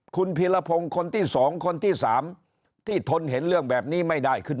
คุณพีรพงศ์คนที่๒คนที่๓ที่ทนเห็นเรื่องแบบนี้ไม่ได้ขึ้น